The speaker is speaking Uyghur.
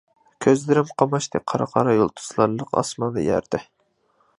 كۆزلىرىم قاماشتى قارا-قارا يۇلتۇزلار لىق ئاسماندا، يەردە.